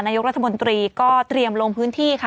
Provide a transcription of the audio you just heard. นายกรัฐมนตรีก็เตรียมลงพื้นที่ค่ะ